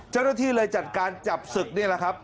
เจ้าหน้าที่เลยจัดการจับศึกนี่แหละครับ